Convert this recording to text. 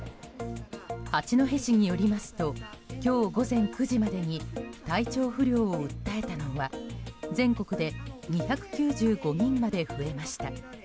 八戸市によりますと今日午前９時までに体調不良を訴えたのは全国で２９５人まで増えました。